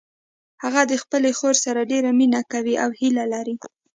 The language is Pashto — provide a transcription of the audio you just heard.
هغه د خپلې خور سره ډیره مینه کوي او هیله لري